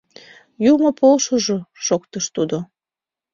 — Юмо полшыжо! — шоктыш тудо.